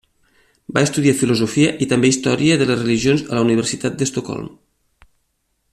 Va estudiar Filosofia i també Història de les religions a la Universitat d'Estocolm.